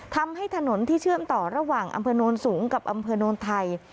ทำให้ถนนที่เชื่อมต่อระหว่างอำเภอโนนสูงกับอำเภอโนนไทย